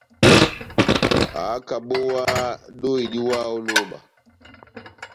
ákabówáhá dóhi diwáha ó lóba